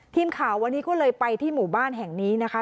ทีมข่าววันนี้ก็เลยไปที่หมู่บ้านแห่งนี้นะคะ